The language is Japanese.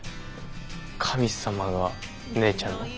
神様が姉ちゃんの。